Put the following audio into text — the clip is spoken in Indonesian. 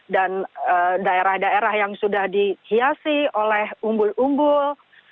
dan daerah daerah yang sudah dihiasi oleh umbul umbul